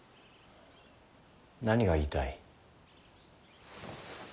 何が言いたい？